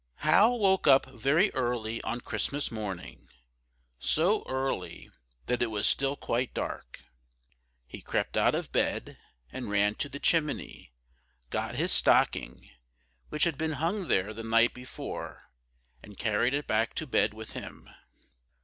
HAL woke up very early on Christmas morning, so early that it was still quite dark. He crept out of bed and ran to the chimney, got his stocking, which had been hung there the night before, and carried it back to bed with him.